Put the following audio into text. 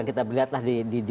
ini gambar gambar ya